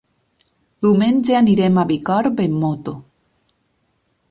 Diumenge anirem a Bicorb amb moto.